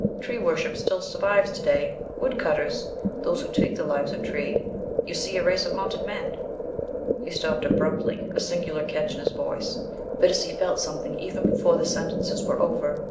Tree worship still survives to day. Wood cutters... those who take the life of trees... you see a race of haunted men...." He stopped abruptly, a singular catch in his voice. Bittacy felt something even before the sentences were over.